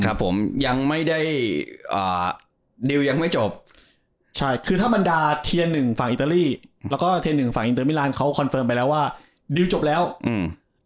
ครับผมยังไม่ได้อ่าดิวยังไม่จบใช่คือถ้าบรรดาเทียหนึ่งฝั่งอิตาลีแล้วก็เทียหนึ่งฝั่งอินเตอร์มิลานเขาคอนเฟิร์มไปแล้วว่าดิวจบแล้วอืม